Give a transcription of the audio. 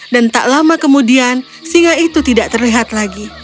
dan tak lama kemudian singa itu tidak terlihat lagi